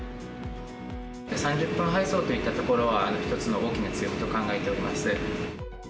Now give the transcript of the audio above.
３０分配送といったところは、一つの大きな強みと考えております。